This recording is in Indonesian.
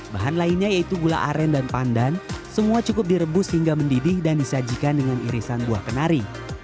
bahan lainnya yaitu gula aren dan pandan semua cukup direbus hingga mendidih dan disajikan dengan irisan buah kenari